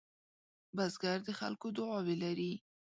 بزګر د خلکو دعاوې لري